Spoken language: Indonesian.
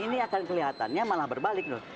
ini akan kelihatannya malah berbalik loh